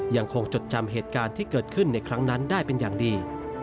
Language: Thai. จดจำเหตุการณ์ที่เกิดขึ้นในครั้งนั้นได้เป็นอย่างดี